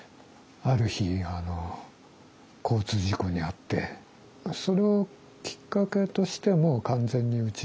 ある日あの交通事故に遭ってそれをきっかけとしてもう完全に家猫にして。